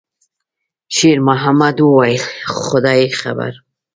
شېرمحمد وویل: «خدای خبر.»